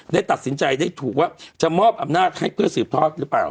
ได้ตัดสินใจได้ถูกว่าจะมอบอำนาจให้เพื่อสืบทอดหรือเปล่า